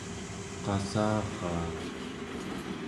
qassaraa